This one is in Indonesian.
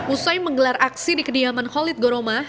usai menggelar aksi di kediaman khalid goromah